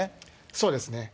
そうですね。